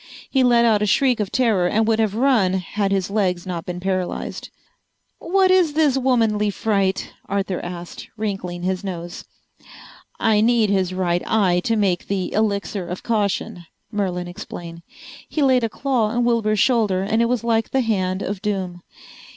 He let out a shriek of terror and would have run had his legs not been paralyzed. "What is this womanly fright?" Arthur asked, wrinkling his nose. "I need his right eye to make the Elixir of Caution," Merlin explained. He laid a claw on Wilbur's shoulder and it was like the hand of doom.